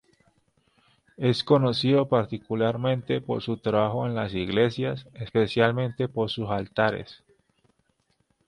Es conocido particularmente por su trabajo en las iglesias, especialmente por sus altares.